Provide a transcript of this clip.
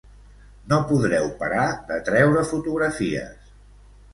No podreu parar de treure fotografies.